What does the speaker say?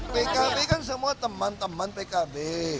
pkb kan semua teman teman pkb